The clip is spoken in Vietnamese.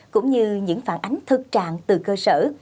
cũng như những phản ánh thực trạng từ cơ sở